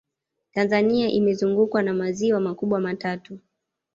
tanzania imezungukwa na maziwa makubwa matatu